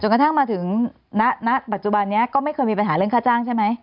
กระทั่งมาถึงณปัจจุบันนี้ก็ไม่เคยมีปัญหาเรื่องค่าจ้างใช่ไหม